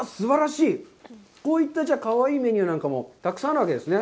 じゃあ、こういったかわいいメニューなんかもたくさんあるわけですね。